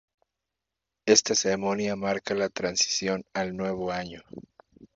Esta ceremonia marca la transición al nuevo año.